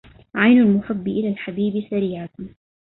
عين المحب إلى الحبيب سريعة